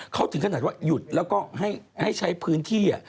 เขาถึงขนาดว่าหยุดแล้วก็ให้ใช้พื้นที่